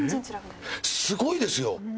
すごいですよ！